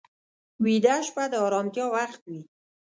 ویده شپه د ارامتیا وخت وي